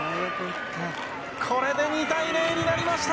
これで２対０になりました。